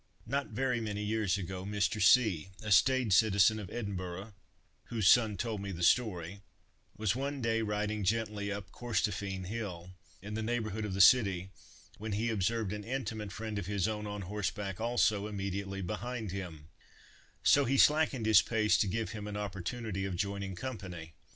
Not very many years ago, Mr. C——, a staid citizen of Edinburgh—whose son told me the story—was one day riding gently up Corstorphine hill, in the neighborhood of the city, when he observed an intimate friend of his own, on horseback also, immediately behind him; so he slackened his pace to give him an opportunity of joining company.